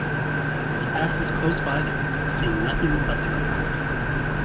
He passes close by them, seeing nothing but the ground.